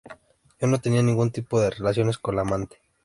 Yo no tenía ningún tipo de relaciones con la amante".